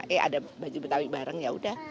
eh ada baju betawi bareng yaudah